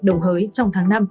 đồng hới trong tháng năm